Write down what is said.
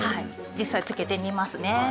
実際付けてみますね。